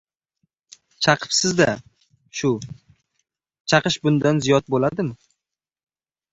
— Chaqibsiz-da! Shu! Chaqish bundan ziyod bo‘ladimi?